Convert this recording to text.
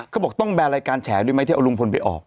เขาบอกต้องแบร์รายการแฉด้วยไหมที่เอาลุงพลไปออก